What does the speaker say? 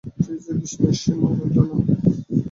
ফিরোজের বিস্ময়ের সীমা রইল না।